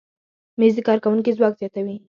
مېز د کارکوونکي ځواک زیاتوي.